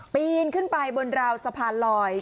ปีนขึ้นไปบนราวสะพานลอย